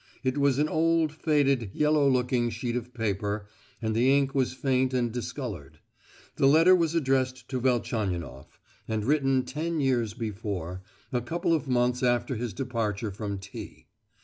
It was an old, faded, yellow looking sheet of paper, and the ink was faint and discoloured; the letter was addressed to Velchaninoff, and written ten years before—a couple of months after his departure from T——.